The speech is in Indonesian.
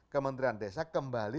kementerian desa kembali